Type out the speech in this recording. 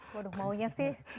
waduh maunya sih